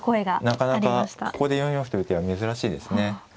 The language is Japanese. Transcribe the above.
なかなかここで４四歩という手は珍しいですね。